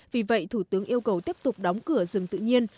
vì vậy thủ tướng yêu cầu tiếp tục đóng cửa rừng tự nhiên